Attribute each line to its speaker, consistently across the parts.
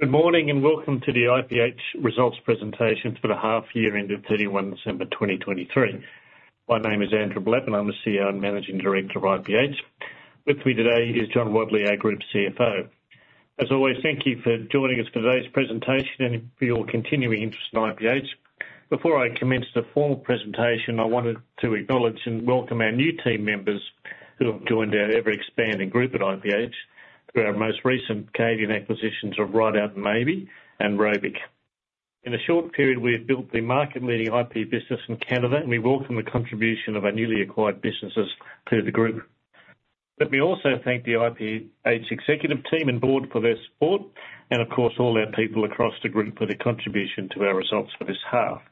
Speaker 1: Good morning and welcome to the IPH results presentation for the half-year end of 31 December 2023. My name is Andrew Blattman, I'm the CEO and Managing Director of IPH. With me today is John Wadley, our Group CFO. As always, thank you for joining us for today's presentation and for your continuing interest in IPH. Before I commence the formal presentation, I wanted to acknowledge and welcome our new team members who have joined our ever-expanding group at IPH through our most recent Canadian acquisitions of Ridout & Maybee and ROBIC. In a short period, we have built the market-leading IP business in Canada, and we welcome the contribution of our newly acquired businesses to the group. Let me also thank the IPH Executive Team and Board for their support, and of course, all our people across the group for their contribution to our results for this half.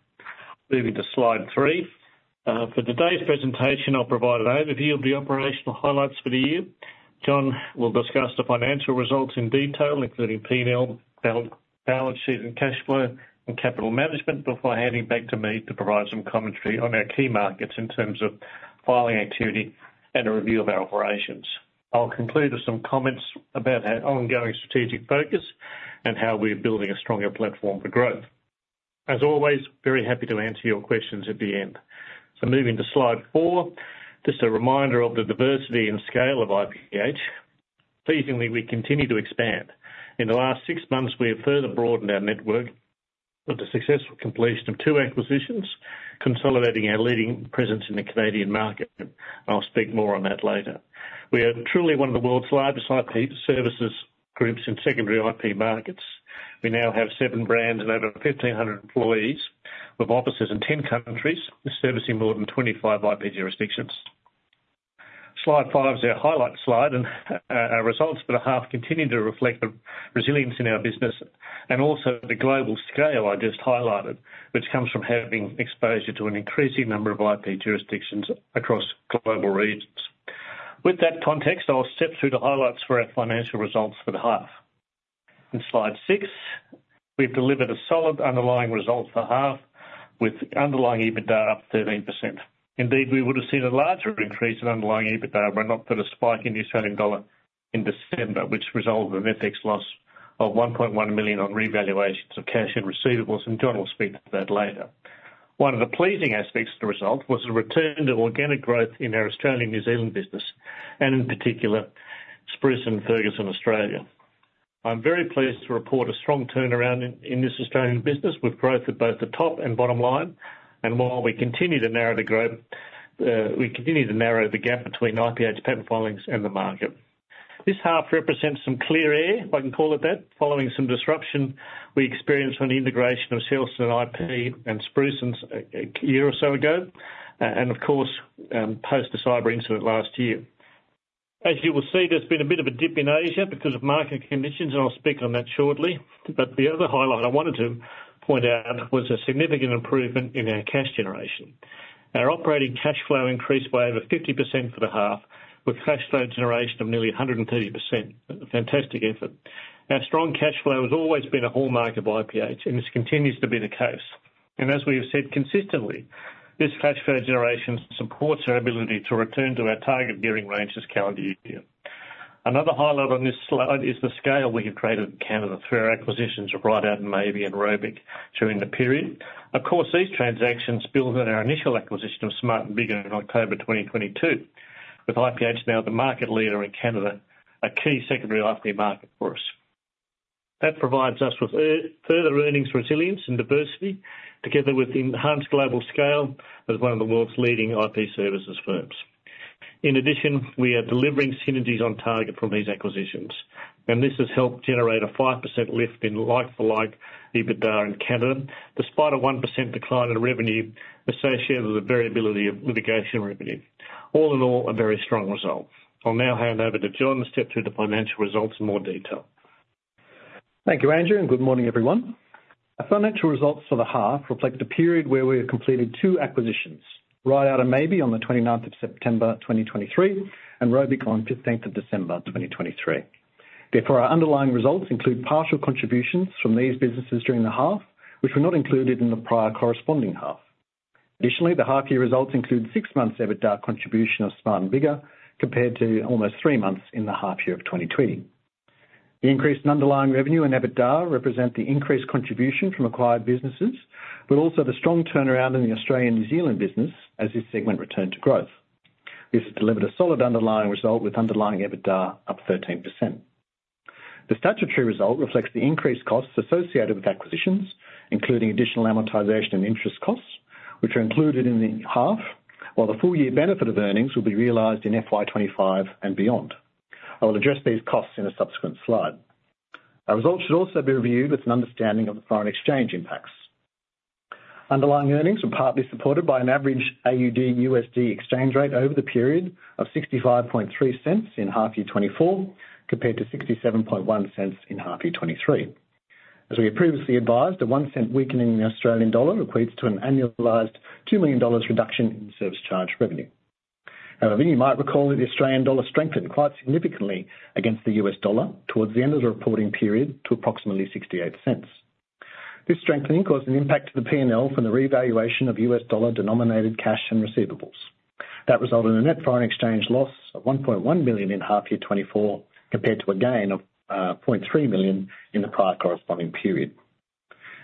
Speaker 1: Moving to slide three, for today's presentation, I'll provide an overview of the operational highlights for the year. John will discuss the financial results in detail, including P&L, balance sheet, and cash flow, and capital management before handing back to me to provide some commentary on our key markets in terms of filing activity and a review of our operations. I'll conclude with some comments about our ongoing strategic focus and how we're building a stronger platform for growth. As always, very happy to answer your questions at the end. So moving to slide four, just a reminder of the diversity and scale of IPH. Pleasingly, we continue to expand. In the last six months, we have further broadened our network with the successful completion of two acquisitions, consolidating our leading presence in the Canadian market, and I'll speak more on that later. We are truly one of the world's largest IP services groups in secondary IP markets. We now have seven brands and over 1,500 employees with offices in 10 countries servicing more than 25 IP jurisdictions. Slide five is our highlight slide, and our results for the half continue to reflect the resilience in our business and also the global scale I just highlighted, which comes from having exposure to an increasing number of IP jurisdictions across global regions. With that context, I'll step through the highlights for our financial results for the half. In Slide six, we've delivered a solid underlying result for half with underlying EBITDA up 13%. Indeed, we would have seen a larger increase in underlying EBITDA, but not for a spike in Australian dollar in December, which resulted in an FX loss of 1.1 million on revaluations of cash and receivables, and John will speak to that later. One of the pleasing aspects of the result was a return to organic growth in our Australian-New Zealand business, and in particular, Spruson & Ferguson, Australia. I'm very pleased to report a strong turnaround in this Australian business with growth at both the top and bottom line, and while we continue to narrow the growth, we continue to narrow the gap between IPH patent filings and the market. This half represents some clear air, if I can call it that, following some disruption we experienced when the integration of and Spruson's a year or so ago, and of course, post the cyber incident last year. As you will see, there's been a bit of a dip in Asia because of market conditions, and I'll speak on that shortly. But the other highlight I wanted to point out was a significant improvement in our cash generation. Our operating cash flow increased by over 50% for the half, with cash flow generation of nearly 130%. Fantastic effort. Our strong cash flow has always been a hallmark of IPH, and this continues to be the case. As we have said consistently, this cash flow generation supports our ability to return to our target gearing range this calendar year. Another highlight on this slide is the scale we have created in Canada through our acquisitions of Ridout & Maybee and ROBIC during the period. Of course, these transactions build on our initial acquisition of Smart & Biggar in October 2022, with IPH now the market leader in Canada, a key secondary IP market for us. That provides us with further earnings resilience and diversity, together with enhanced global scale as one of the world's leading IP services firms. In addition, we are delivering synergies on target from these acquisitions, and this has helped generate a 5% lift in like-for-like EBITDA in Canada, despite a 1% decline in revenue associated with the variability of litigation revenue. All in all, a very strong result. I'll now hand over to John to step through the financial results in more detail.
Speaker 2: Thank you, Andrew, and good morning, everyone. Our financial results for the half reflect a period where we have completed two acquisitions, Ridout & Maybee on the 29th of September 2023 and ROBIC on the 15th of December 2023. Therefore, our underlying results include partial contributions from these businesses during the half, which were not included in the prior corresponding half. Additionally, the half-year results include six months' EBITDA contribution of Smart & Biggar compared to almost three months in the half-year of 2023. The increase in underlying revenue and EBITDA represent the increased contribution from acquired businesses, but also the strong turnaround in the Australian-New Zealand business as this segment returned to growth. This has delivered a solid underlying result with underlying EBITDA up 13%. The statutory result reflects the increased costs associated with acquisitions, including additional amortization and interest costs, which are included in the half, while the full-year benefit of earnings will be realized in FY 2025 and beyond. I will address these costs in a subsequent slide. Our results should also be reviewed with an understanding of the foreign exchange impacts. Underlying earnings are partly supported by an average AUD/USD exchange rate over the period of $0.653 in half-year 2024 compared to $0.671 in half-year 2023. As we have previously advised, $0.01 weakening in the Australian dollar equates to an annualized 2 million dollars reduction in service charge revenue. However, you might recall that the Australian dollar strengthened quite significantly against the US dollar towards the end of the reporting period to approximately $0.68. This strengthening caused an impact to the P&L from the revaluation of US dollar denominated cash and receivables. That resulted in a net foreign exchange loss of 1.1 million in half-year 2024 compared to a gain of 0.3 million in the prior corresponding period.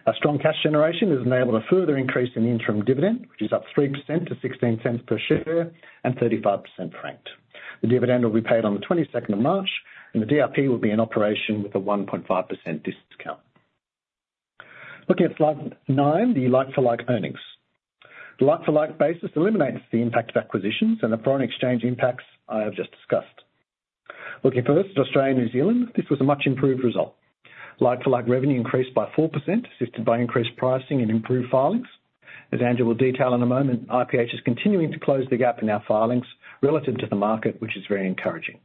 Speaker 2: Our strong cash generation has enabled a further increase in the interim dividend, which is up 3% to 0.16 per share and 35% franked. The dividend will be paid on the 22nd of March, and the DRP will be in operation with a 1.5% discount. Looking at slide nine, the like-for-like earnings. The like-for-like basis eliminates the impact of acquisitions and the foreign exchange impacts I have just discussed. Looking first at Australia and New Zealand, this was a much improved result. Like-for-like revenue increased by 4%, assisted by increased pricing and improved filings. As Andrew will detail in a moment, IPH is continuing to close the gap in our filings relative to the market, which is very encouraging.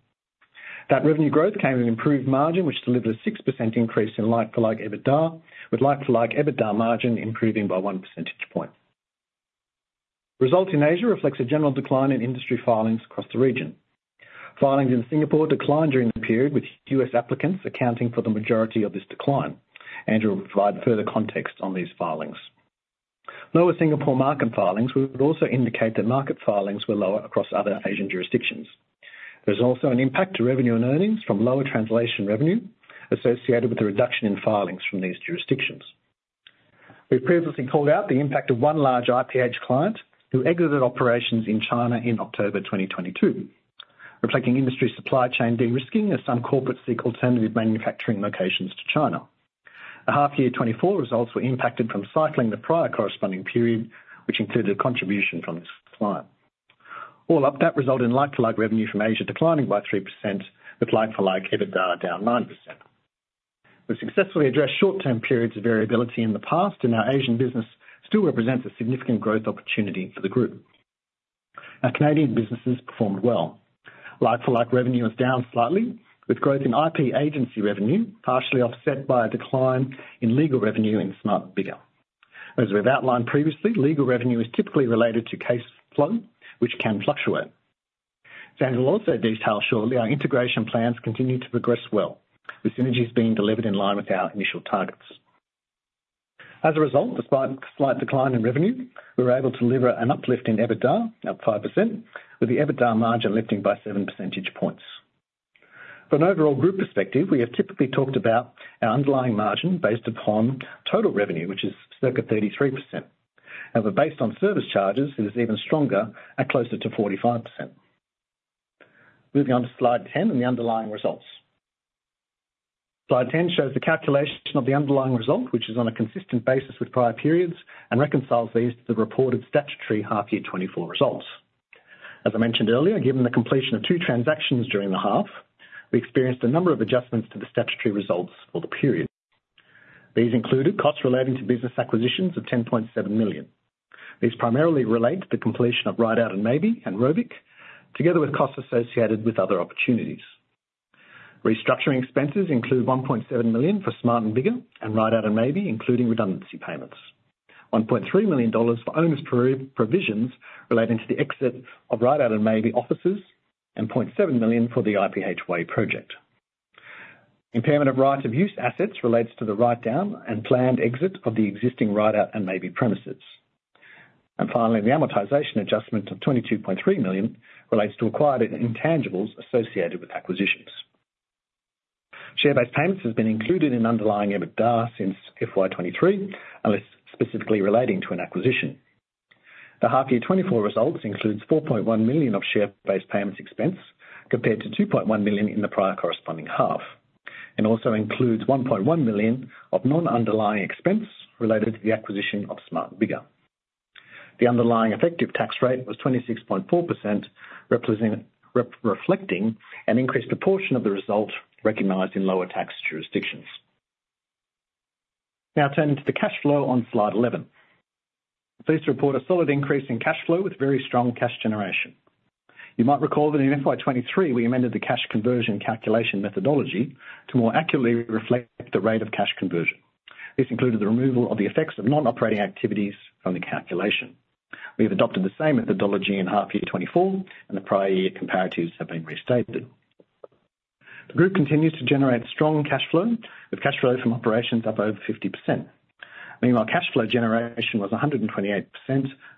Speaker 2: That revenue growth came with improved margin, which delivered a 6% increase in like-for-like EBITDA, with like-for-like EBITDA margin improving by 1 percentage point. Results in Asia reflect a general decline in industry filings across the region. Filings in Singapore declined during the period, with U.S. applicants accounting for the majority of this decline. Andrew will provide further context on these filings. Lower Singapore market filings would also indicate that market filings were lower across other Asian jurisdictions. There's also an impact to revenue and earnings from lower translation revenue associated with a reduction in filings from these jurisdictions. We've previously called out the impact of one large IPH client who exited operations in China in October 2022, reflecting industry supply chain de-risking as some corporates seek alternative manufacturing locations to China. The half-year 2024 results were impacted from cycling the prior corresponding period, which included a contribution from this client. All up, that resulted in like-for-like revenue from Asia declining by 3%, with like-for-like EBITDA down 9%. We've successfully addressed short-term periods of variability in the past, and our Asian business still represents a significant growth opportunity for the group. Our Canadian businesses performed well. Like-for-like revenue was down slightly, with growth in IP agency revenue partially offset by a decline in legal revenue in Smart & Biggar. As we've outlined previously, legal revenue is typically related to case flow, which can fluctuate. As Andrew will also detail shortly, our integration plans continue to progress well, with synergies being delivered in line with our initial targets. As a result, despite a slight decline in revenue, we were able to deliver an uplift in EBITDA up 5%, with the EBITDA margin lifting by 7 percentage points. From an overall group perspective, we have typically talked about our underlying margin based upon total revenue, which is circa 33%. However, based on service charges, it is even stronger at closer to 45%. Moving on to slide 10 and the underlying results. Slide 10 shows the calculation of the underlying result, which is on a consistent basis with prior periods and reconciles these to the reported statutory half-year 2024 results. As I mentioned earlier, given the completion of two transactions during the half, we experienced a number of adjustments to the statutory results for the period. These included costs relating to business acquisitions of 10.7 million. These primarily relate to the completion of Ridout & Maybee and ROBIC, together with costs associated with other opportunities. Restructuring expenses include 1.7 million for Smart & Biggar and Ridout & Maybee, including redundancy payments. 1.3 million dollars for onerous provisions relating to the exit of Ridout & Maybee offices and 0.7 million for the IPH WAY project. Impairment of right-of-use assets relates to the write-down and planned exit of the existing Ridout & Maybee premises. Finally, the amortization adjustment of 22.3 million relates to acquired intangibles associated with acquisitions. Share-based payments have been included in underlying EBITDA since FY23 unless specifically relating to an acquisition. The half-year 2024 results include 4.1 million of share-based payments expense compared to 2.1 million in the prior corresponding half and also includes 1.1 million of non-underlying expense related to the acquisition of Smart & Biggar. The underlying effective tax rate was 26.4%, reflecting an increased proportion of the result recognized in lower tax jurisdictions. Now turning to the cash flow on slide 11. Please report a solid increase in cash flow with very strong cash generation. You might recall that in FY 2023, we amended the cash conversion calculation methodology to more accurately reflect the rate of cash conversion. This included the removal of the effects of non-operating activities from the calculation. We have adopted the same methodology in half-year 2024, and the prior year comparatives have been restated. The group continues to generate strong cash flow, with cash flow from operations up over 50%. Meanwhile, cash flow generation was 128%,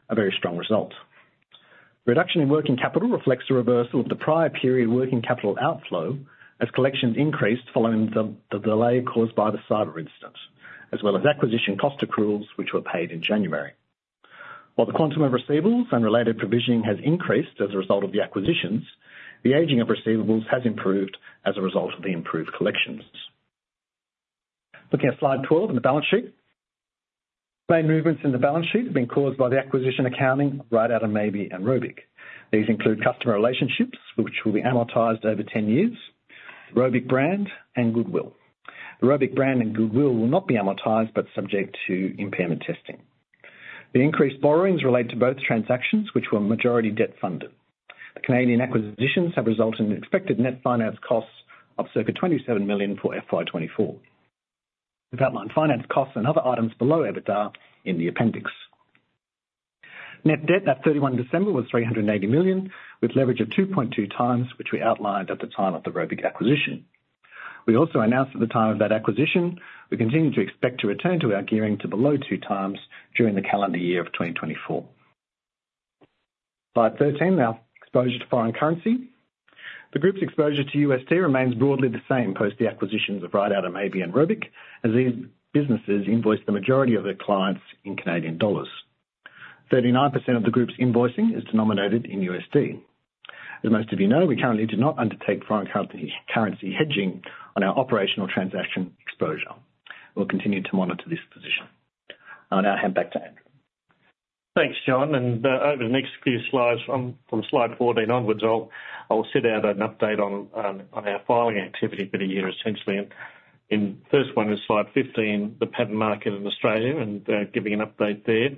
Speaker 2: a very strong result. Reduction in working capital reflects a reversal of the prior period working capital outflow as collections increased following the delay caused by the cyber incident, as well as acquisition cost accruals, which were paid in January. While the quantum of receivables and related provisioning has increased as a result of the acquisitions, the aging of receivables has improved as a result of the improved collections. Looking at slide 12 and the balance sheet. Main movements in the balance sheet have been caused by the acquisition accounting of Ridout & Maybee and ROBIC. These include customer relationships, which will be amortized over 10 years, ROBIC brand, and Goodwill. The ROBIC brand and Goodwill will not be amortized but subject to impairment testing. The increased borrowings relate to both transactions, which were majority debt funded. The Canadian acquisitions have resulted in expected net finance costs of circa 27 million for FY24. We've outlined finance costs and other items below EBITDA in the appendix. Net debt at 31 December was 380 million, with leverage of 2.2 times, which we outlined at the time of the ROBIC acquisition. We also announced at the time of that acquisition we continue to expect to return to our gearing to below two times during the calendar year of 2024. Slide 13 now, exposure to foreign currency. The group's exposure to USD remains broadly the same post the acquisitions of Ridout & Maybee and ROBIC, as these businesses invoice the majority of their clients in Canadian dollars. 39% of the group's invoicing is denominated in USD. As most of you know, we currently do not undertake foreign currency hedging on our operational transaction exposure. We'll continue to monitor this position. I'll now hand back to Andrew.
Speaker 1: Thanks, John. Over the next few slides from slide 14 onwards, I'll set out an update on our filing activity for the year essentially. First one is slide 15, the patent market in Australia and giving an update there.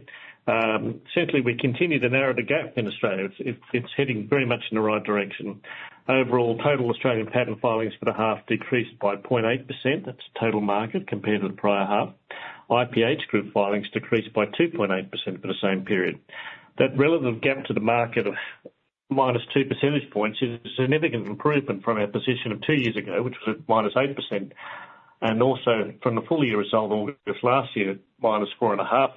Speaker 1: Essentially, we continue to narrow the gap in Australia. It's heading very much in the right direction. Overall, total Australian patent filings for the half decreased by 0.8%. That's total market compared to the prior half. IPH group filings decreased by 2.8% for the same period. That relative gap to the market of -2 percentage points is a significant improvement from our position of two years ago, which was at -8%, and also from the full-year result August last year, -4.5%.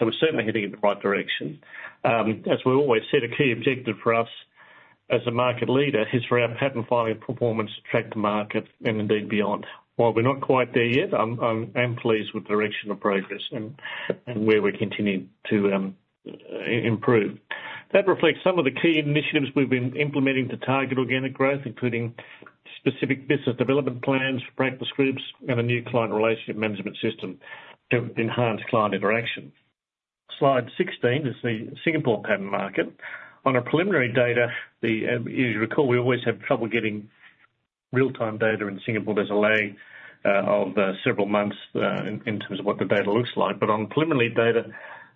Speaker 1: We're certainly heading in the right direction. As we always said, a key objective for us as a market leader is for our patent filing performance to track the market and indeed beyond. While we're not quite there yet, I'm pleased with the direction of progress and where we continue to improve. That reflects some of the key initiatives we've been implementing to target organic growth, including specific business development plans for practice groups and a new client relationship management system to enhance client interaction. Slide 16 is the Singapore patent market. On preliminary data, as you recall, we always have trouble getting real-time data in Singapore. There's a lag of several months in terms of what the data looks like. But on preliminary data,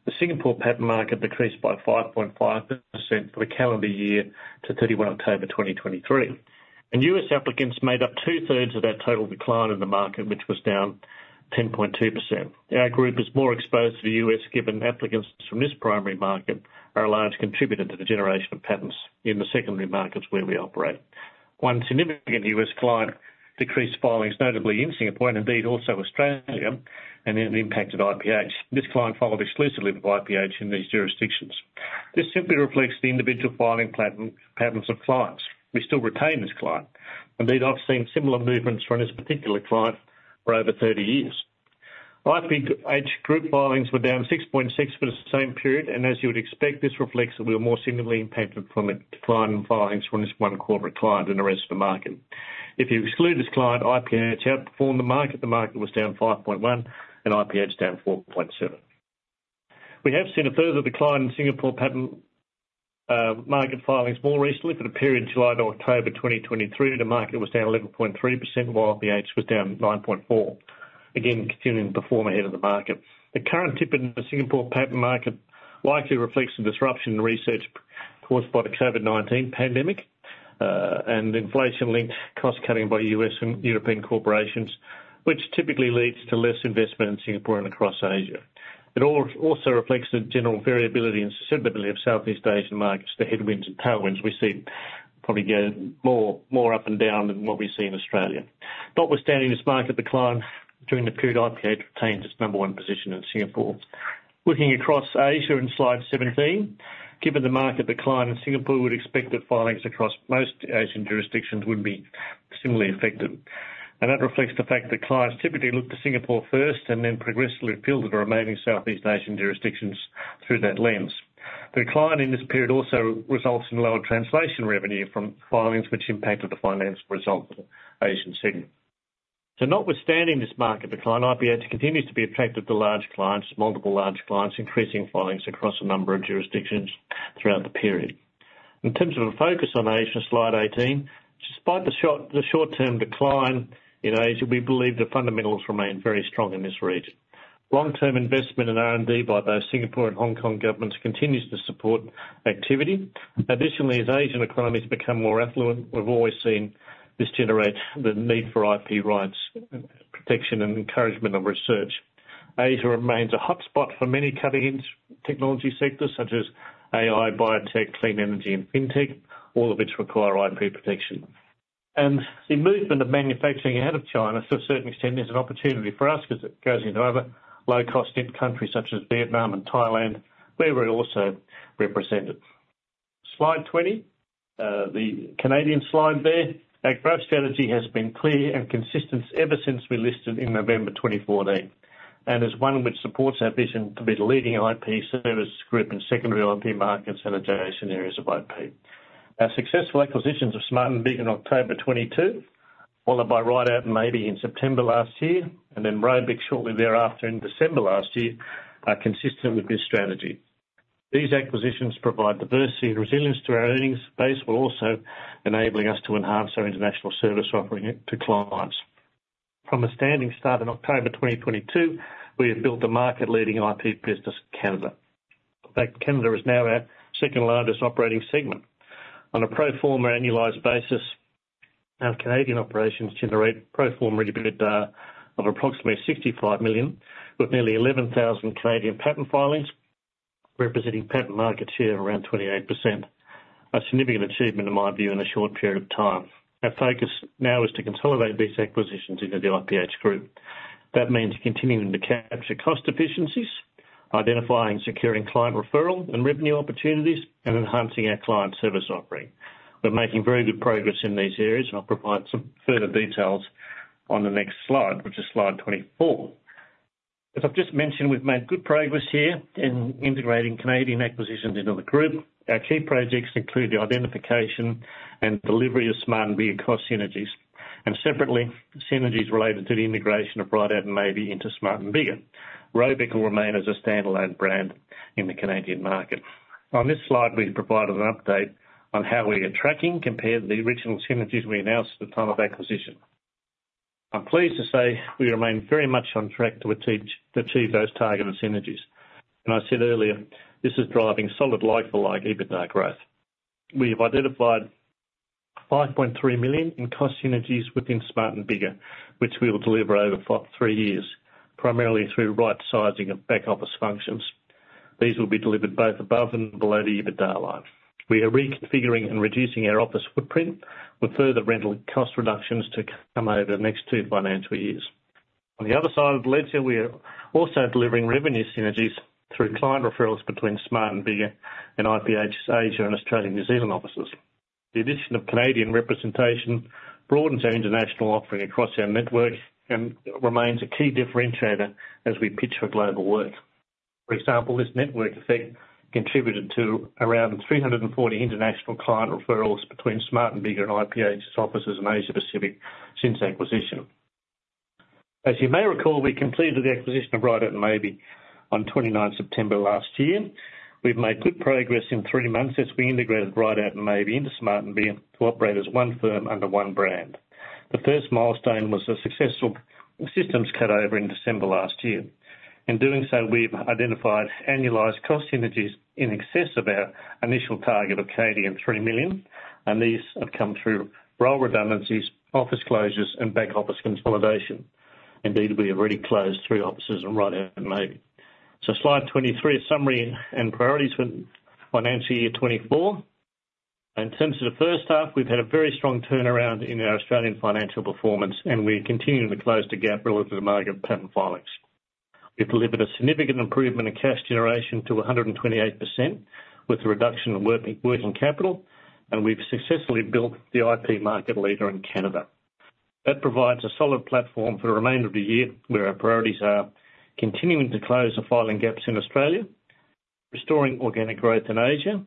Speaker 1: the Singapore patent market decreased by 5.5% for the calendar year to 31 October 2023. U.S. applicants made up 2/3 of that total decline in the market, which was down 10.2%. Our group is more exposed to the U.S. given applicants from this primary market are a large contributor to the generation of patents in the secondary markets where we operate. One significant U.S. client decreased filings, notably in Singapore and indeed also Australia, and it impacted IPH. This client followed exclusively with IPH in these jurisdictions. This simply reflects the individual filing patents of clients. We still retain this client. Indeed, I've seen similar movements from this particular client for over 30 years. IPH group filings were down 6.6% for the same period, and as you would expect, this reflects that we were more significantly impacted from a decline in filings from this one corporate client in the rest of the market. If you exclude this client, IPH outperformed the market. The market was down 5.1% and IPH down 4.7%. We have seen a further decline in Singapore patent market filings more recently for the period July to October 2023. The market was down 11.3% while IPH was down 9.4%, again continuing to perform ahead of the market. The current dip in the Singapore patent market likely reflects a disruption in research caused by the COVID-19 pandemic and inflation-linked cost cutting by U.S. and European corporations, which typically leads to less investment in Singapore and across Asia. It also reflects the general variability and susceptibility of Southeast Asian markets, the headwinds and tailwinds we see probably get more up and down than what we see in Australia. Notwithstanding this market decline, during the period, IPH retains its number one position in Singapore. Looking across Asia in slide 17, given the market decline in Singapore, we would expect that filings across most Asian jurisdictions would be similarly affected. And that reflects the fact that clients typically look to Singapore first and then progressively apply to the remaining Southeast Asian jurisdictions through that lens. The decline in this period also results in lower translation revenue from filings, which impacted the financial results of the Asian segment. Notwithstanding this market decline, IPH continues to attract large clients, multiple large clients, increasing filings across a number of jurisdictions throughout the period. In terms of the focus on Asia, Slide 18, despite the short-term decline in Asia, we believe the fundamentals remain very strong in this region. Long-term investment and R&D by both Singapore and Hong Kong governments continues to support activity. Additionally, as Asian economies become more affluent, we've always seen this generate the need for IP rights, protection, and encouragement of research. Asia remains a hotspot for many cutting-edge technology sectors such as AI, biotech, clean energy, and fintech, all of which require IP protection. The movement of manufacturing ahead of China, to a certain extent, is an opportunity for us because it goes into other low-cost in countries such as Vietnam and Thailand, where we're also represented. Slide 20, the Canadian slide there. Our growth strategy has been clear and consistent ever since we listed in November 2014 and is one which supports our vision to be the leading IP service group in secondary IP markets and adjacent areas of IP. Our successful acquisitions of Smart & Biggar in October 2022, followed by Ridout & Maybee in September last year, and then ROBIC shortly thereafter in December last year are consistent with this strategy. These acquisitions provide diversity and resilience to our earnings base, while also enabling us to enhance our international service offering to clients. From a standing start in October 2022, we have built a market-leading IP business in Canada. In fact, Canada is now our second-largest operating segment. On a pro forma annualized basis, our Canadian operations generate pro forma EBITDA of approximately 65 million, with nearly 11,000 Canadian patent filings representing patent market share of around 28%, a significant achievement in my view in a short period of time. Our focus now is to consolidate these acquisitions into the IPH group. That means continuing to capture cost efficiencies, identifying and securing client referral and revenue opportunities, and enhancing our client service offering. We're making very good progress in these areas, and I'll provide some further details on the next slide, which is slide 24. As I've just mentioned, we've made good progress here in integrating Canadian acquisitions into the group. Our key projects include the identification and delivery of Smart & Biggar cost synergies. Separately, synergies related to the integration of Ridout & Maybee into Smart & Biggar. ROBIC will remain as a standalone brand in the Canadian market. On this slide, we provide an update on how we are tracking compared to the original synergies we announced at the time of acquisition. I'm pleased to say we remain very much on track to achieve those targeted synergies. I said earlier, this is driving solid like-for-like EBITDA growth. We have identified 5.3 million in cost synergies within Smart & Biggar, which we will deliver over three years, primarily through right-sizing of back office functions. These will be delivered both above and below the EBITDA line. We are reconfiguring and reducing our office footprint with further rental cost reductions to come over the next two financial years. On the other side of the ledger, we are also delivering revenue synergies through client referrals between Smart & Biggar and IPH's Asia and Australia/New Zealand offices. The addition of Canadian representation broadens our international offering across our network and remains a key differentiator as we pitch for global work. For example, this network effect contributed to around 340 international client referrals between Smart & Biggar and IPH's offices in Asia-Pacific since acquisition. As you may recall, we completed the acquisition of Ridout & Maybee on 29 September last year. We've made good progress in three months since we integrated Ridout & Maybee into Smart & Biggar to operate as one firm under one brand. The first milestone was a successful systems cutover in December last year. In doing so, we've identified annualized cost synergies in excess of our initial target of 3 million, and these have come through role redundancies, office closures, and back office consolidation. Indeed, we have already closed three offices in Ridout & Maybee. So slide 23, a summary and priorities for financial year 2024. In terms of the first half, we've had a very strong turnaround in our Australian financial performance, and we continue to close the gap relative to the market of patent filings. We've delivered a significant improvement in cash generation to 128% with a reduction in working capital, and we've successfully built the IP market leader in Canada. That provides a solid platform for the remainder of the year where our priorities are continuing to close the filing gaps in Australia, restoring organic growth in Asia,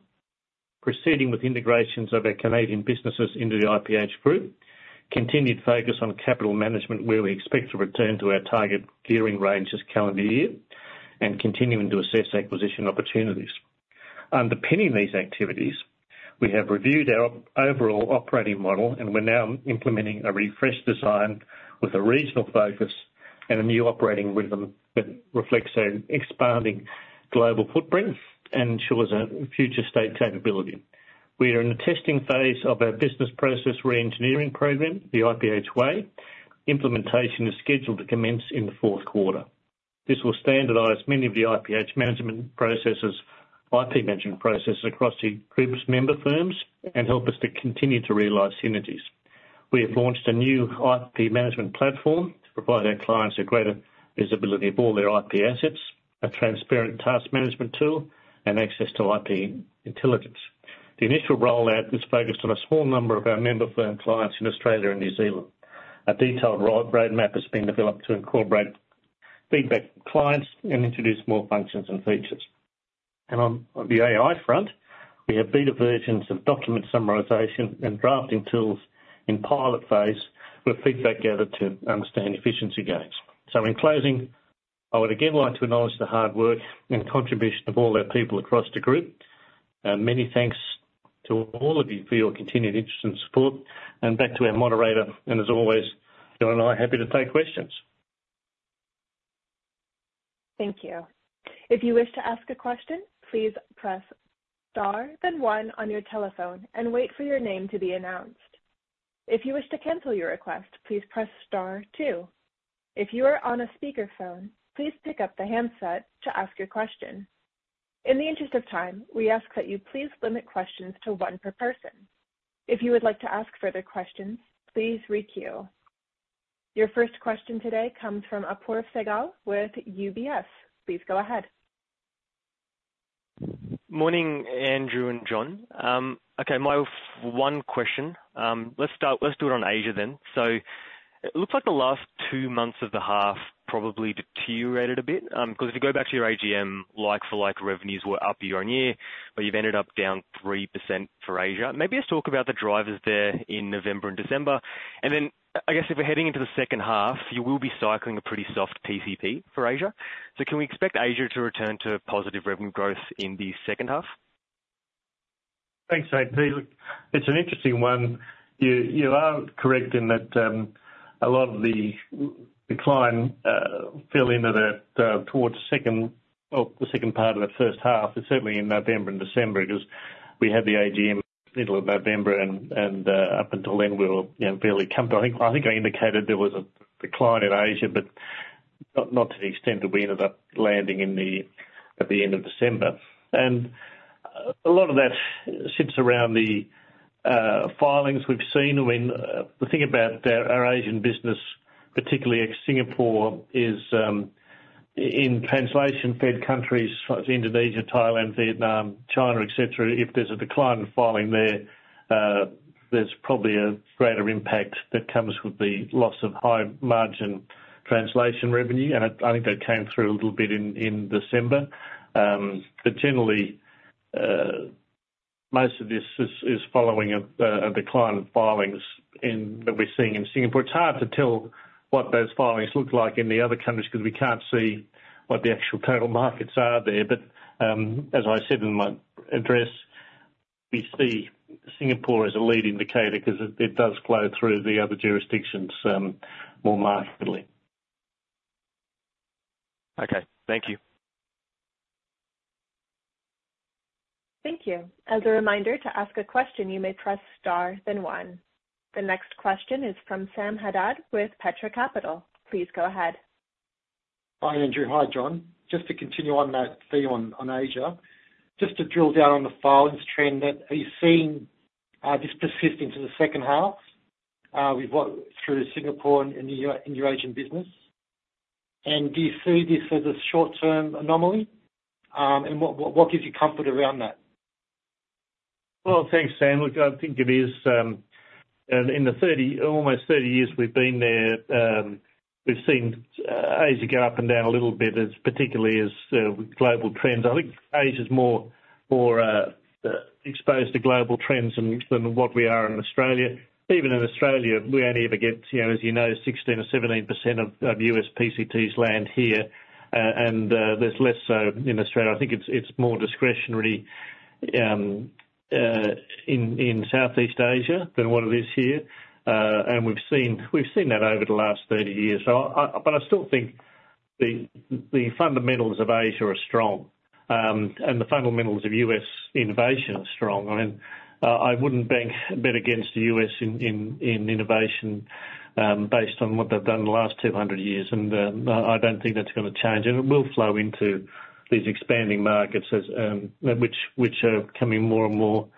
Speaker 1: proceeding with integrations of our Canadian businesses into the IPH group, continued focus on capital management where we expect to return to our target gearing range this calendar year, and continuing to assess acquisition opportunities. Underpinning these activities, we have reviewed our overall operating model, and we're now implementing a refreshed design with a regional focus and a new operating rhythm that reflects our expanding global footprint and ensures a future state capability. We are in the testing phase of our business process re-engineering program, the IPH Way. Implementation is scheduled to commence in the fourth quarter. This will standardize many of the IPH management processes, IP management processes across the group's member firms, and help us to continue to realize synergies. We have launched a new IP management platform to provide our clients a greater visibility of all their IP assets, a transparent task management tool, and access to IP intelligence. The initial rollout is focused on a small number of our member firm clients in Australia and New Zealand. A detailed roadmap has been developed to incorporate feedback from clients and introduce more functions and features. On the AI front, we have beta versions of document summarization and drafting tools in pilot phase with feedback gathered to understand efficiency gains. In closing, I would again like to acknowledge the hard work and contribution of all our people across the group. Many thanks to all of you for your continued interest and support. Back to our moderator. As always, John and I, happy to take questions.
Speaker 3: Thank you. If you wish to ask a question, please press star, then one, on your telephone and wait for your name to be announced. If you wish to cancel your request, please press star, two. If you are on a speakerphone, please pick up the handset to ask your question. In the interest of time, we ask that you please limit questions to one per person. If you would like to ask further questions, please requeue. Your first question today comes from Apoorv Sehgal with UBS. Please go ahead.
Speaker 4: Morning, Andrew and John. Okay, my one question. Let's do it on Asia then. So it looks like the last two months of the half probably deteriorated a bit because if you go back to your AGM, like-for-like revenues were up year-on-year, but you've ended up down 3% for Asia. Maybe let's talk about the drivers there in November and December. And then I guess if we're heading into the second half, you will be cycling a pretty soft PCP for Asia. So can we expect Asia to return to positive revenue growth in the second half?
Speaker 1: Thanks, Apoorv. Look, it's an interesting one. You are correct in that a lot of the decline filled in towards the second part of the first half is certainly in November and December because we had the AGM middle of November, and up until then, we were fairly comfortable. I think I indicated there was a decline in Asia, but not to the extent that we ended up landing at the end of December. A lot of that sits around the filings we've seen. I mean, the thing about our Asian business, particularly Singapore, is in translation-fed countries such as Indonesia, Thailand, Vietnam, China, etc., if there's a decline in filing there, there's probably a greater impact that comes with the loss of high-margin translation revenue. And I think that came through a little bit in December. But generally, most of this is following a decline in filings that we're seeing in Singapore. It's hard to tell what those filings look like in the other countries because we can't see what the actual total markets are there. But as I said in my address, we see Singapore as a lead indicator because it does flow through the other jurisdictions more markedly.
Speaker 4: Okay. Thank you.
Speaker 3: Thank you. As a reminder, to ask a question, you may press star, then one. The next question is from Sam Haddad with Petra Capital. Please go ahead.
Speaker 5: Hi, Andrew. Hi, John. Just to continue on that theme on Asia, just to drill down on the filings trend that are you seeing this persist into the second half with what through Singapore and your Asian business? And do you see this as a short-term anomaly? And what gives you comfort around that?
Speaker 1: Well, thanks, Sam. Look, I think it is. In the almost 30 years we've been there, we've seen Asia go up and down a little bit, particularly as global trends. I think Asia's more exposed to global trends than what we are in Australia. Even in Australia, we only ever get, as you know, 16% or 17% of U.S. PCTs land here, and there's less so in Australia. I think it's more discretionary in Southeast Asia than what it is here. And we've seen that over the last 30 years. But I still think the fundamentals of Asia are strong, and the fundamentals of U.S. innovation are strong. I mean, I wouldn't bet against the U.S. in innovation based on what they've done the last 200 years. And I don't think that's going to change. It will flow into these expanding markets which are coming more and more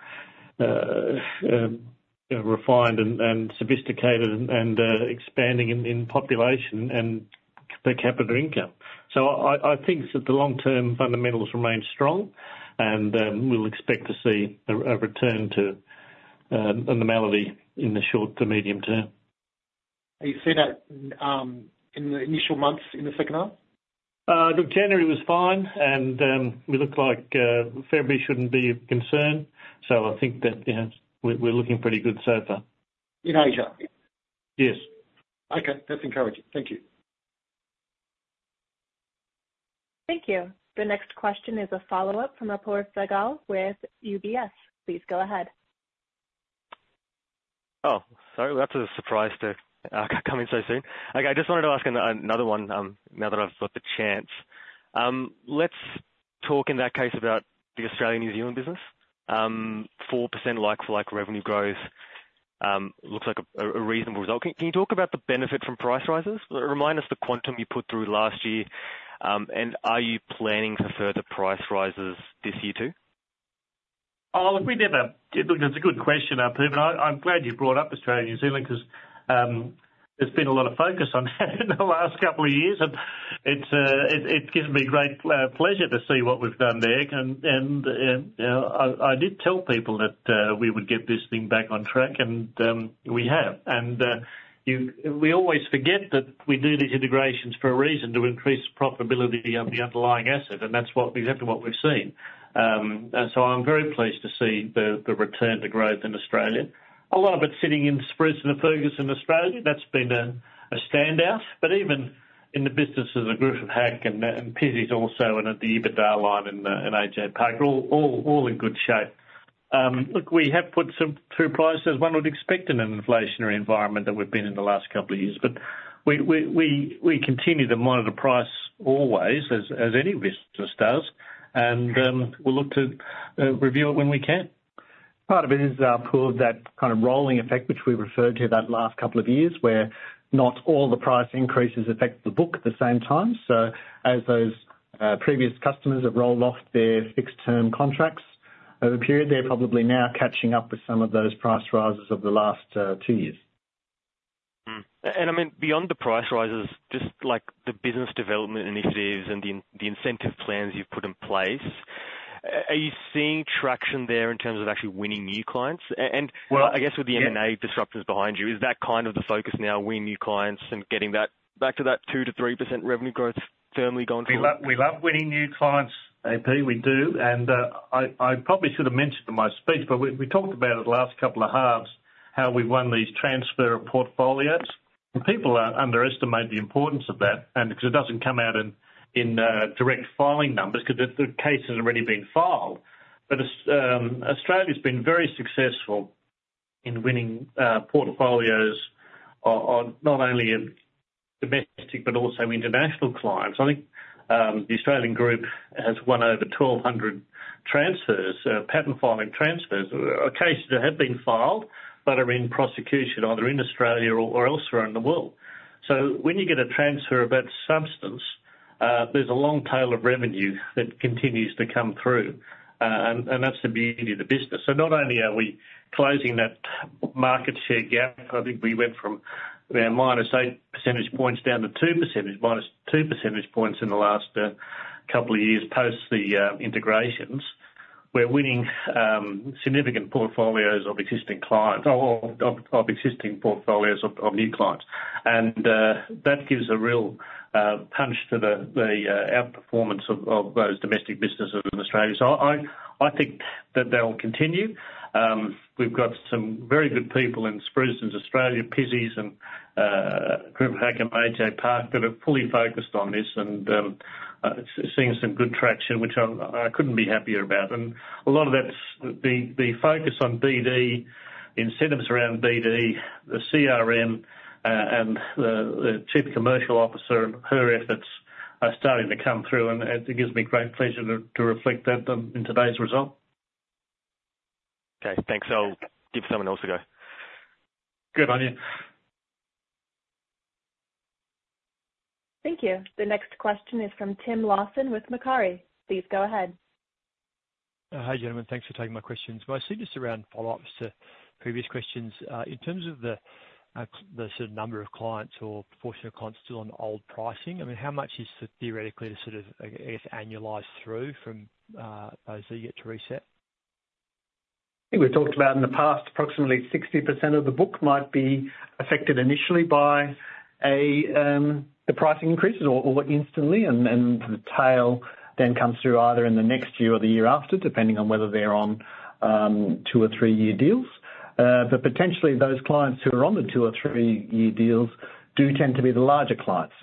Speaker 1: refined and sophisticated and expanding in population and per capita income. I think that the long-term fundamentals remain strong, and we'll expect to see a return to normality in the short to medium term.
Speaker 5: Are you seeing that in the initial months in the second half?
Speaker 1: Look, January was fine, and we look like February shouldn't be a concern. I think that we're looking pretty good so far.
Speaker 5: In Asia?
Speaker 1: Yes.
Speaker 5: Okay. That's encouraging. Thank you.
Speaker 3: Thank you. The next question is a follow-up from Apoorv Sehgal with UBS. Please go ahead.
Speaker 4: Oh, sorry. That was a surprise to come in so soon. Okay, I just wanted to ask another one now that I've got the chance. Let's talk in that case about the Australia/New Zealand business. 4% like-for-like revenue growth looks like a reasonable result. Can you talk about the benefit from price rises? Remind us the quantum you put through last year? And are you planning for further price rises this year, too?
Speaker 1: Oh, look, that's a good question, Apoorv. I'm glad you brought up Australia/New Zealand because there's been a lot of focus on that in the last couple of years. And it gives me great pleasure to see what we've done there. And I did tell people that we would get this thing back on track, and we have. And we always forget that we do these integrations for a reason, to increase profitability of the underlying asset. And that's exactly what we've seen. So I'm very pleased to see the return to growth in Australia. A lot of it sitting in Spruson & Ferguson Australia, that's been a standout. But even in the businesses of Griffith Hack and Pizzeys also and at the EBITDA line in AJ Park, all in good shape. Look, we have put through prices as one would expect in an inflationary environment that we've been in the last couple of years. But we continue to monitor price always as any business does. And we'll look to review it when we can.
Speaker 2: Part of it is our pool of that kind of rolling effect, which we referred to that last couple of years where not all the price increases affect the book at the same time. So as those previous customers have rolled off their fixed-term contracts over a period, they're probably now catching up with some of those price rises of the last two years.
Speaker 4: And I mean, beyond the price rises, just like the business development initiatives and the incentive plans you've put in place, are you seeing traction there in terms of actually winning new clients? And I guess with the M&A disruptions behind you, is that kind of the focus now, win new clients and getting back to that 2%-3% revenue growth firmly going forward?
Speaker 1: We love winning new clients, AP. We do. And I probably should have mentioned in my speech, but we talked about it the last couple of halves, how we've won these transfer of portfolios. And people underestimate the importance of that because it doesn't come out in direct filing numbers because the cases are already being filed. But Australia's been very successful in winning portfolios on not only domestic but also international clients. I think the Australian group has won over 1,200 patent filing transfers, cases that have been filed but are in prosecution either in Australia or elsewhere in the world. So when you get a transfer of that substance, there's a long tail of revenue that continues to come through. And that's the beauty of the business. So not only are we closing that market share gap, I think we went from -8 percentage points down to -2 percentage points in the last couple of years post the integrations. We're winning significant portfolios of existing clients or of existing portfolios of new clients. And that gives a real punch to the outperformance of those domestic businesses in Australia. So I think that they'll continue. We've got some very good people in Spruson and Australia, Pizzeys and Griffith Hack and AJ Park that are fully focused on this and seeing some good traction, which I couldn't be happier about. And a lot of that's the focus on BD, incentives around BD, the CRM, and the chief commercial officer and her efforts are starting to come through. And it gives me great pleasure to reflect that in today's result.
Speaker 4: Okay. Thanks. I'll give someone else a go.
Speaker 1: Good on you.
Speaker 3: Thank you. The next question is from Tim Lawson with Macquarie. Please go ahead.
Speaker 6: Hi, gentlemen. Thanks for taking my questions. Mostly just around follow-ups to previous questions. In terms of the sort of number of clients or proportion of clients still on old pricing, I mean, how much is theoretically to sort of, I guess, annualize through from those that you get to reset?
Speaker 2: I think we've talked about in the past, approximately 60% of the book might be affected initially by the pricing increases or instantly. The tail then comes through either in the next year or the year after, depending on whether they're on two or three-year deals. Potentially, those clients who are on the two or three-year deals do tend to be the larger clients.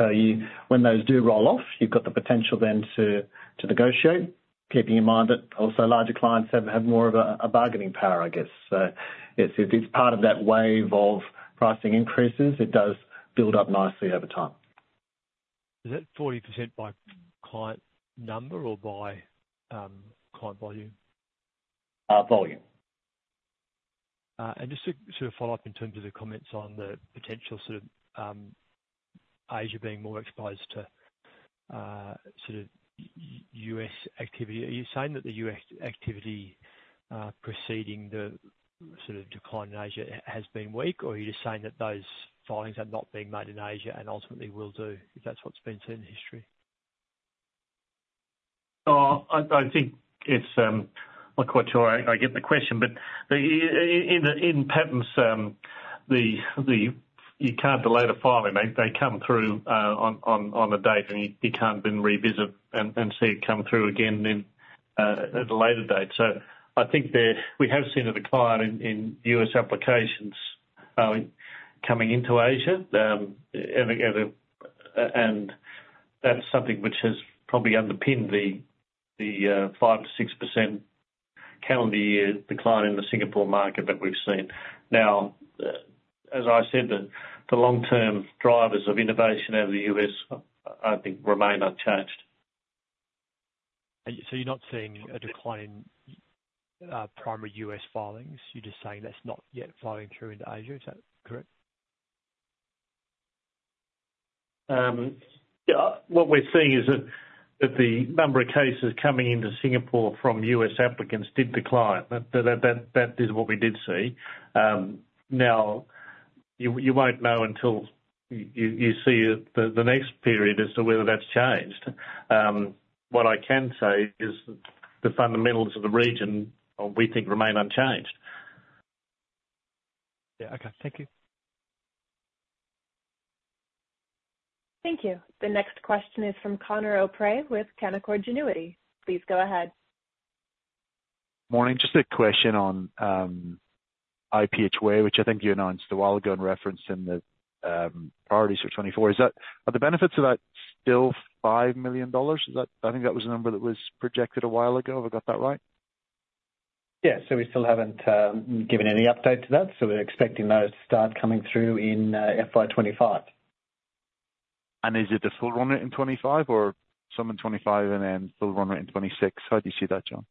Speaker 2: When those do roll off, you've got the potential then to negotiate. Keeping in mind that also larger clients have more of a bargaining power, I guess. It's part of that wave of pricing increases. It does build up nicely over time.
Speaker 6: Is that 40% by client number or by client volume?
Speaker 1: Volume.
Speaker 6: Just to sort of follow up in terms of the comments on the potential sort of Asia being more exposed to sort of U.S. activity, are you saying that the U.S. activity preceding the sort of decline in Asia has been weak, or are you just saying that those filings are not being made in Asia and ultimately will do if that's what's been seen in history?
Speaker 1: Oh, I think it's not quite sure I get the question. But in patents, you can't delay the filing. They come through on a date, and you can't then revisit and see it come through again then at a later date. So I think we have seen a decline in U.S. applications coming into Asia. And that's something which has probably underpinned the 5%-6% calendar year decline in the Singapore market that we've seen. Now, as I said, the long-term drivers of innovation out of the U.S., I think, remain unchanged.
Speaker 6: So you're not seeing a decline in primary U.S. filings? You're just saying that's not yet flowing through into Asia? Is that correct?
Speaker 1: Yeah. What we're seeing is that the number of cases coming into Singapore from U.S. applicants did decline. That is what we did see. Now, you won't know until you see the next period as to whether that's changed. What I can say is the fundamentals of the region, we think, remain unchanged.
Speaker 6: Yeah. Okay. Thank you.
Speaker 3: Thank you. The next question is from Conor O'Prey with Canaccord Genuity. Please go ahead.
Speaker 7: Morning. Just a question on IPH WAY, which I think you and I answered a while ago in reference in the priorities for 2024. Are the benefits of that still 5 million dollars? I think that was a number that was projected a while ago. Have I got that right?
Speaker 2: Yes. So we still haven't given any update to that. So we're expecting those to start coming through in FY25.
Speaker 7: Is it the full runner in 2025 or some in 2025 and then full runner in 2026? How do you see that, John?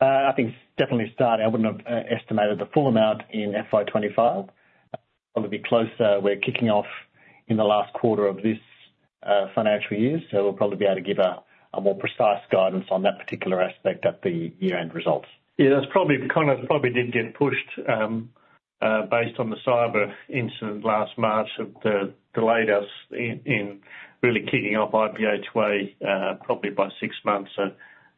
Speaker 2: I think definitely starting. I wouldn't have estimated the full amount in FY25. Probably be closer. We're kicking off in the last quarter of this financial year. So we'll probably be able to give a more precise guidance on that particular aspect at the year-end results.
Speaker 1: Yeah. Conor probably did get pushed based on the cyber incident last March that delayed us in really kicking off IPH Way probably by six months. So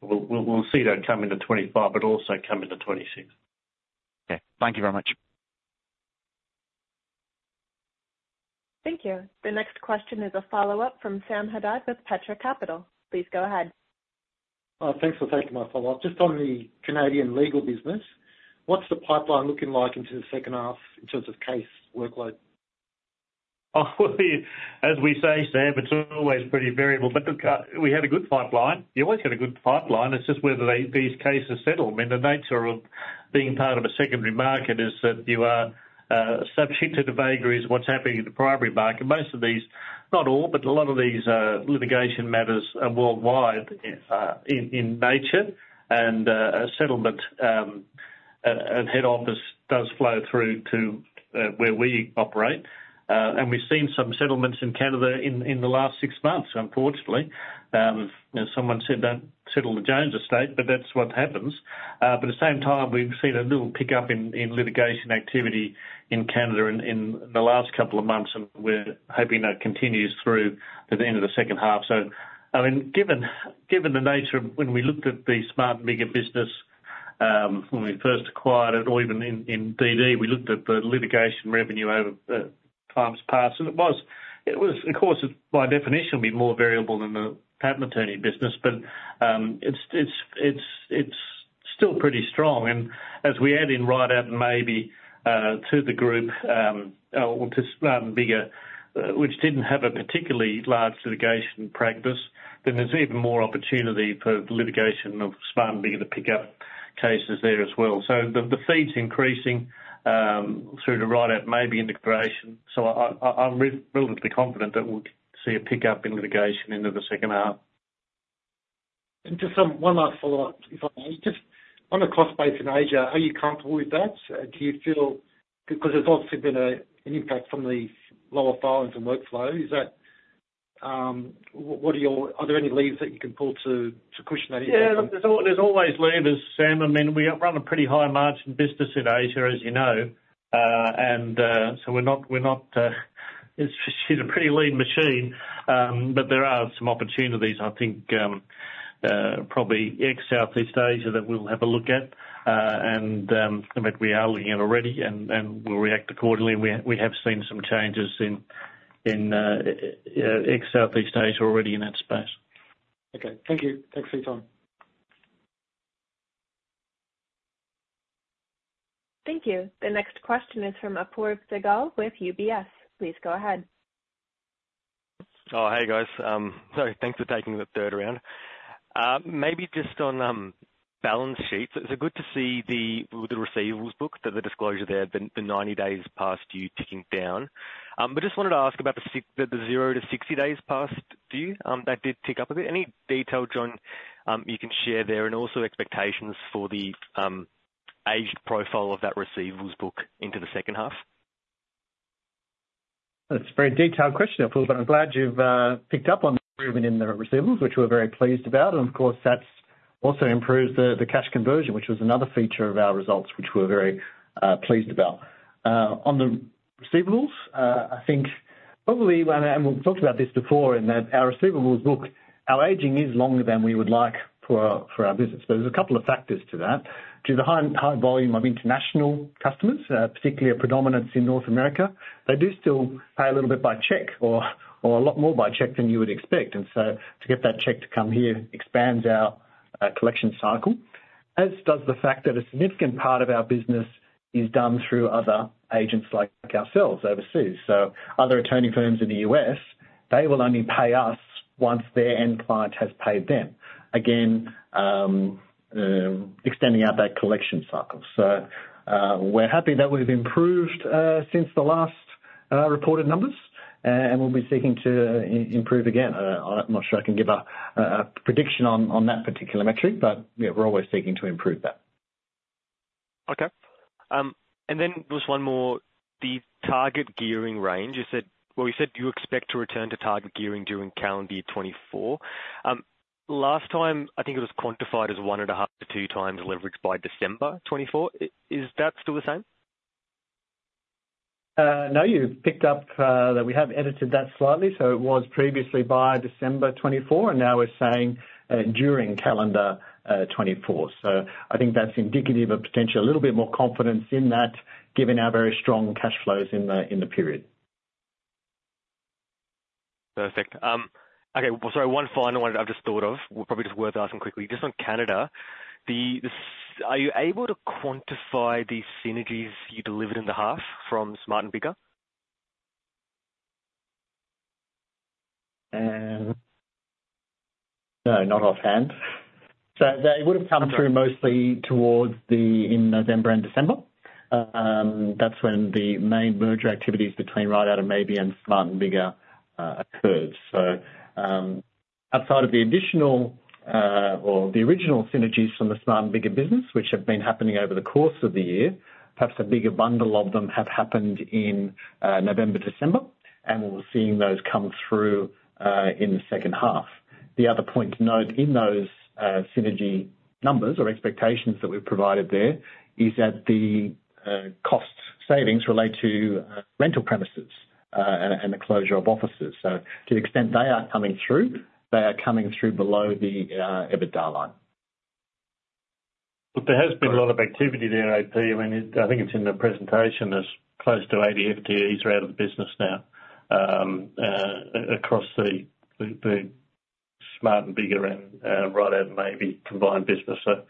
Speaker 1: we'll see that come into 2025 but also come into 2026.
Speaker 7: Okay. Thank you very much.
Speaker 3: Thank you. The next question is a follow-up from Sam Haddad with Petra Capital. Please go ahead.
Speaker 5: Thanks for taking my follow-up. Just on the Canadian legal business, what's the pipeline looking like into the second half in terms of case workload?
Speaker 1: Well, as we say, Sam, it's always pretty variable. But look, we had a good pipeline. You always get a good pipeline. It's just whether these cases settle. I mean, the nature of being part of a secondary market is that you are subject to the vagaries of what's happening in the primary market. Most of these, not all, but a lot of these litigation matters are worldwide in nature. And settlement and head office does flow through to where we operate. And we've seen some settlements in Canada in the last six months, unfortunately. Someone said don't settle the Jones Estate, but that's what happens. But at the same time, we've seen a little pickup in litigation activity in Canada in the last couple of months. And we're hoping that continues through to the end of the second half. So I mean, given the nature of when we looked at the Smart & Biggar business when we first acquired it or even in BD, we looked at the litigation revenue over times past. And it was, of course, by definition, be more variable than the patent attorney business. But it's still pretty strong. And as we add in Ridout & Maybee to the group or to Smart & Biggar, which didn't have a particularly large litigation practice, then there's even more opportunity for litigation of Smart & Biggar to pick up cases there as well. So the feed's increasing through to Ridout & Maybee into Smart & Biggar. So I'm relatively confident that we'll see a pickup in litigation into the second half.
Speaker 5: Just one last follow-up, if I may. Just on the cost base in Asia, are you comfortable with that? Do you feel because there's obviously been an impact from the lower filings and workflow? Are there any leads that you can pull to cushion that impact?
Speaker 1: Yeah. Look, there's always levers, Sam. I mean, we run a pretty high-margin business in Asia, as you know. And so we're not, it's a pretty lean machine. But there are some opportunities, I think, probably ex-Southeast Asia that we'll have a look at. And I mean, we are looking at already. And we'll react accordingly. And we have seen some changes in ex-Southeast Asia already in that space.
Speaker 5: Okay. Thank you. Thanks for your time.
Speaker 3: Thank you. The next question is from Apoorv Sehgal with UBS. Please go ahead.
Speaker 4: Oh, hey, guys. So thanks for taking the third round. Maybe just on balance sheets, it's good to see with the receivables book that the disclosure there, the 90 days past due ticking down. But I just wanted to ask about the 0-60 days past due. That did tick up a bit. Any detail, John, you can share there and also expectations for the aged profile of that receivables book into the second half?
Speaker 2: That's a very detailed question, Apoorv, but I'm glad you've picked up on the improvement in the receivables, which we're very pleased about. Of course, that's also improved the cash conversion, which was another feature of our results, which we're very pleased about. On the receivables, I think probably and we've talked about this before in that our receivables book, our aging is longer than we would like for our business. But there's a couple of factors to that. Due to the high volume of international customers, particularly a predominance in North America, they do still pay a little bit by check or a lot more by check than you would expect. And so to get that check to come here expands our collection cycle, as does the fact that a significant part of our business is done through other agents like ourselves overseas. Other attorney firms in the U.S., they will only pay us once their end client has paid them, again, extending out that collection cycle. We're happy that we've improved since the last reported numbers. We'll be seeking to improve again. I'm not sure I can give a prediction on that particular metric. Yeah, we're always seeking to improve that.
Speaker 4: Okay. And then just one more, the target gearing range. Well, you said you expect to return to target gearing during calendar year 2024. Last time, I think it was quantified as 1.5-2 times leverage by December 2024. Is that still the same?
Speaker 2: No, you've picked up that we have edited that slightly. So it was previously by December 2024. And now we're saying during calendar 2024. So I think that's indicative of potentially a little bit more confidence in that given our very strong cash flows in the period.
Speaker 4: Perfect. Okay. Well, sorry, one final one I've just thought of. Probably just worth asking quickly. Just on Canada, are you able to quantify the synergies you delivered in the half from Smart & Biggar?
Speaker 2: No, not offhand. So it would have come through mostly towards the in November and December. That's when the main merger activities between Ridout & Maybee and Smart & Biggar occurred. So outside of the additional or the original synergies from the Smart & Biggar business, which have been happening over the course of the year, perhaps a bigger bundle of them have happened in November, December. And we'll be seeing those come through in the second half. The other point to note in those synergy numbers or expectations that we've provided there is that the cost savings relate to rental premises and the closure of offices. So to the extent they are coming through, they are coming through below the EBITDA line.
Speaker 1: Look, there has been a lot of activity there, IP. I mean, I think it's in the presentation. It's close to 80 FTEs are out of the business now across the Smart & Biggar and Ridout & Maybee combined business. So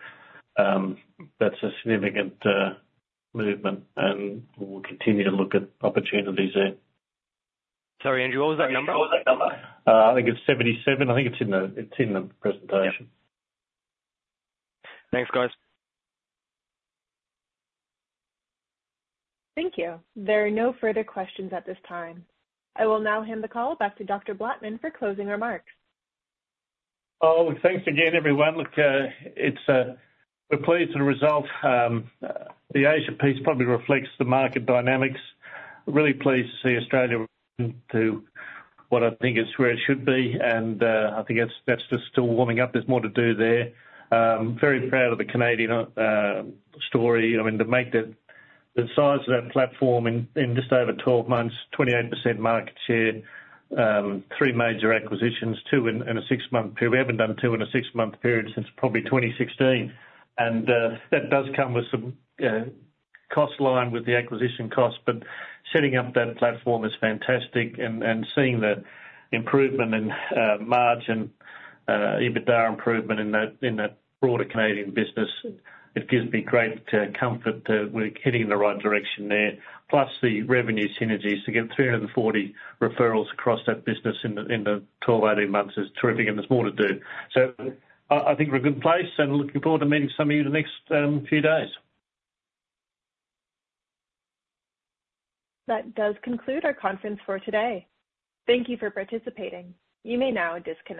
Speaker 1: that's a significant movement. And we'll continue to look at opportunities there.
Speaker 4: Sorry, Andrew. What was that number?
Speaker 1: I think it's 77. I think it's in the presentation.
Speaker 4: Thanks, guys.
Speaker 3: Thank you. There are no further questions at this time. I will now hand the call back to Dr. Blattman for closing remarks.
Speaker 1: Oh, thanks again, everyone. Look, we're pleased with the result. The Asia piece probably reflects the market dynamics. Really pleased to see Australia to what I think it's where it should be. And I think that's just still warming up. There's more to do there. Very proud of the Canadian story. I mean, to make the size of that platform in just over 12 months, 28% market share, three major acquisitions, two in a six-month period. We haven't done two in a six-month period since probably 2016. And that does come with some costs in line with the acquisition cost. But setting up that platform is fantastic. And seeing the improvement in margin, EBITDA improvement in that broader Canadian business, it gives me great comfort that we're hitting the right direction there. Plus the revenue synergies. To get 340 referrals across that business in the 12-18 months is terrific. There's more to do. I think we're in a good place. Looking forward to meeting some of you the next few days.
Speaker 3: That does conclude our conference for today. Thank you for participating. You may now disconnect.